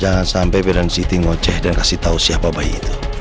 jangan sampai bidan siti ngoceh dan kasih tau siapa bayi itu